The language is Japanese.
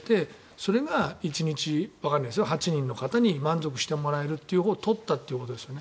それが１日８人の方に満足してもらえるというほうを取ったということですよね。